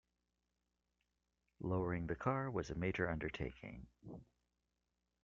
Lowering the car was a major undertaking.